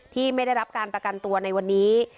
ที่ไม่ได้รับการประกันตัวในวันนี้